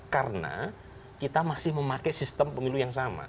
karena kita masih memakai sistem pemilu yang sama